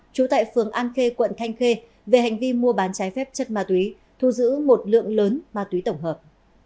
trú tại phường an khê quận thanh khê về hành vi mua bán trái phép chất ma túy thu giữ một lượng lớn ma túy tổng hợp